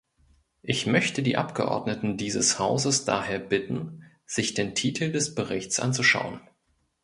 Ich möchte die Abgeordneten dieses Hauses daher bitten, sich den Titel des Berichts anzuschauen.